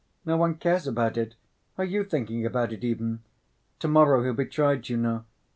No one cares about it. Are you thinking about it even? To‐morrow he'll be tried, you know.